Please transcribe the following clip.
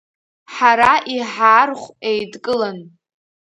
Ҳара иҳаархә, еидкылан!